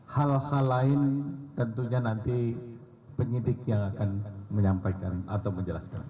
hal hal lain tentunya nanti penyidik yang akan menyampaikan atau menjelaskan